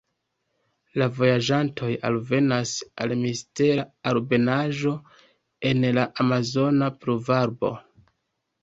La vojaĝantoj alvenas al mistera altebenaĵo en la amazona pluvarbaro.